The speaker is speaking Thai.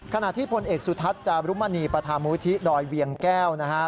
ขณะที่พลเอกสุทัศน์จารุมณีประธามูลที่ดอยเวียงแก้วนะฮะ